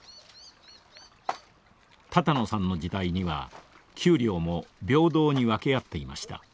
多々納さんの時代には給料も平等に分け合っていました。